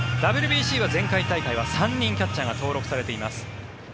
ＷＢＣは前回大会は３人キャッチャーが登録されています。